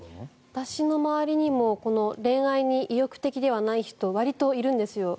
私の周りにも恋愛に意欲的ではない人わりといるんですよ。